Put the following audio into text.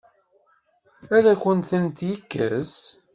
Ad akent-tent-yekkes?